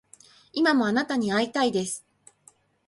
今もあなたに逢いたいです